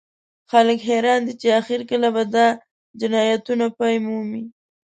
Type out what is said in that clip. خلک حیران دي چې اخر کله به دا جنایتونه پای مومي